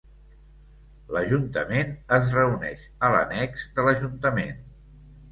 L'Ajuntament es reuneix a l'annex de l'Ajuntament.